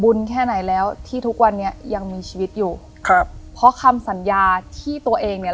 แค่ไหนแล้วที่ทุกวันนี้ยังมีชีวิตอยู่ครับเพราะคำสัญญาที่ตัวเองเนี้ย